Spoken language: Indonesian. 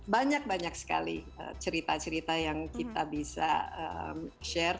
banyak banyak sekali cerita cerita yang kita bisa share